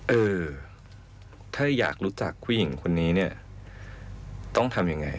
เออถ้าอยากรู้จักผู้หญิงคนนี้เนี่ยต้องทำยังไง